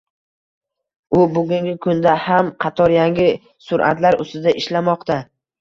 U bugungi kunda ham qator yangi suratlar ustida ishlamoqda.